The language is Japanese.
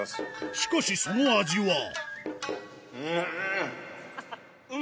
しかしその味はうん！